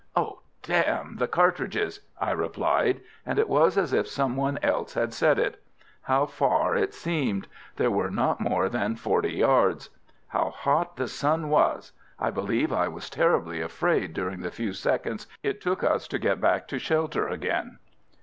"Oh! d the cartridges!" I replied, and it was as if some one else had said it.... How far it seemed! there were not more than 40 yards. How hot the sun was! I believe I was terribly afraid during the few seconds it took us to get back to shelter again.